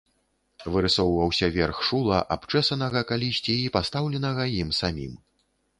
Вырысоўваўся верх шула, абчэсанага калісьці і пастаўленага ім самім.